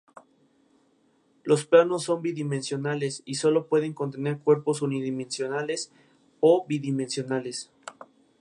Click fue descubierta por un agente mientras estaba en Huntington Beach.